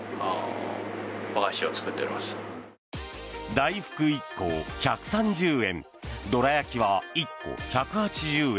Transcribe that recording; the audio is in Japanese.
大福、１個１３０円どら焼きは１個１８０円。